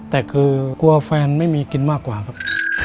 แต่คือกลัวแฟนไม่มีกินมากกว่าครับ